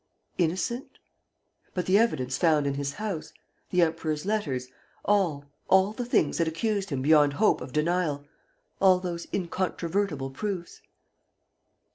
Innocent? But the evidence found in his house, the Emperor's letters, all, all the things that accused him beyond hope of denial, all those incontrovertible proofs?